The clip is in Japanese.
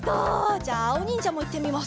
じゃあおにんじゃもいってみます。